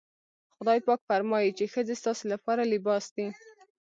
خدای پاک فرمايي چې ښځې ستاسې لپاره لباس دي.